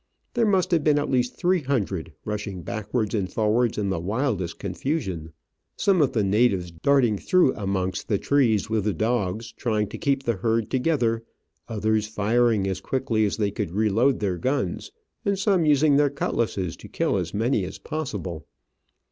There must have been at least three hundred, rushing backwards and forwards in the wildest confusion, some of the natives darting through amongst the trees with the dogs, trying to keep the herd together, others firing as quickly as they could reload their guns, and some using their cutlasses to kill as many as possible.